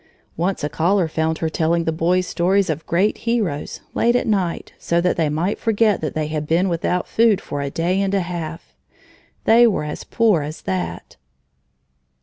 Once a caller found her telling the boys stories of great heroes, late at night, so that they might forget that they had been without food for a day and a half! They were as poor as that!